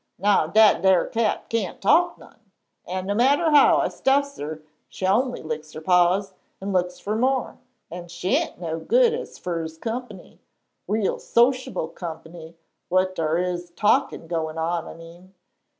Now dat ar cat kain't talk none. An' no matter how I stuffs her, she only licks her paws, an' looks fer more. And she ain't no good as fer's comp'ny real sosh'ble comp'ny whar dar is talkin' goin' on, I mean.